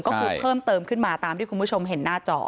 ก็คือเพิ่มเติมขึ้นมาตามที่คุณผู้ชมเห็นหน้าจอ